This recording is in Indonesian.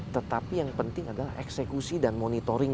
tetapi yang penting adalah eksekusi dan monitoring